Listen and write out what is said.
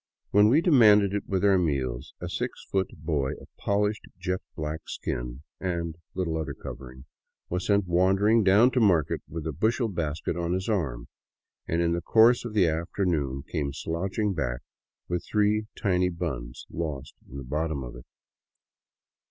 When we demanded it with our meals, a six foot "boy" of polished jet blaqk skin — and little other covering — was sent wandering down to market with a bushel basket on his arm, and in the course of the afternoon came slouching back with three tiny buns lost in the bottom of it.